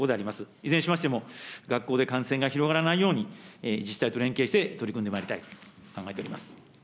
いずれにしましても、学校で感染が広がらないように、自治体と連携して取り組んでまいりたいと考えております。